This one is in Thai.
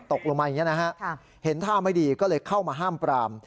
ตกลงมาอย่างนี้นะฮะเห็นท่าไม่ดีก็เลยเข้ามาห้ามปราม